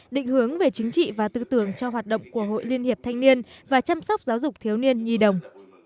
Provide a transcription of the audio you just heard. định hướng về chính trị và tư tưởng cho hoạt động của hội liên hiệp thanh niên và chăm sóc giáo dục thiếu niên nhi đồng